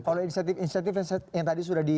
kalau insentif insentif yang tadi sudah di